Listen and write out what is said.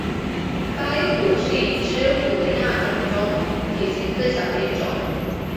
巴厘虎是已知虎的亚种中体型最小的一种。